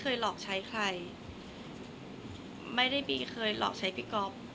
คนเราถ้าใช้ชีวิตมาจนถึงอายุขนาดนี้แล้วค่ะ